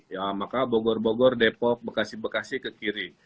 ya maka bogor bogor depok bekasi bekasi ke kiri